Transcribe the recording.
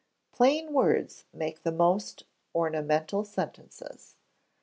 [PLAIN WORDS MAKE THE MOST ORNAMENTAL SENTENCES.